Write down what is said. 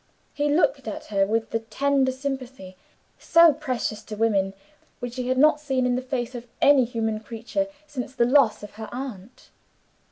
He looked at her with the tender sympathy, so precious to women, which she had not seen in the face of any human creature since the loss of her aunt.